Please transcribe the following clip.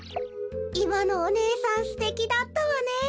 いまのお姉さんすてきだったわね。